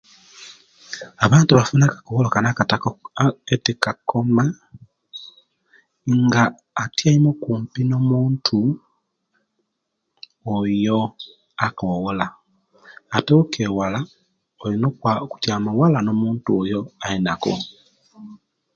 Abantu bafunire akakoolo Kano ata etikakoma nga atyaime kumpi nomuntu oyo akoola ate okewala oina okutyama wala nomuntu oyo alina ko